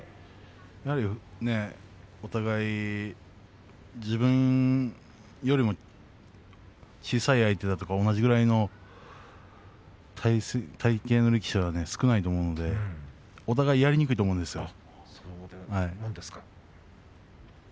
やはりお互い自分よりも小さい相手とか同じぐらいの体型の力士は少ないと思うんでお互いやりにくいと思うんですよね。